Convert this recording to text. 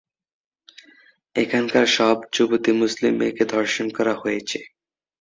এখানকার সব যুবতী মুসলিম মেয়েকে ধর্ষণ করা হয়েছে।